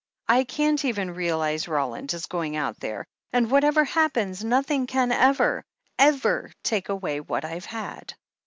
I can't even realize Roland is going out there. And what ever happens, nothing can ever — ever take away what I've had."